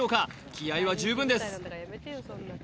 気合いは十分です